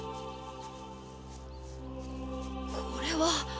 これは。